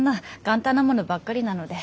簡単なものばっかりなので。